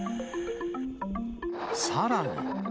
さらに。